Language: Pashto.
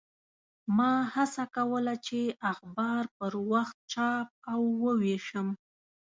ما هڅه کوله چې اخبار پر وخت چاپ او ووېشم.